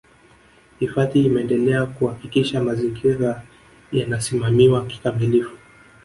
Hifadhi imeendelea kuhakikisha mazingira yanasimamiwa kikamilifu